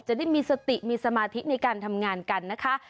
จะได้มีสติมีสมาธิในการทำงานกันนะคะ